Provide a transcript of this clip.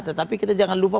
tetapi kita jangan lupa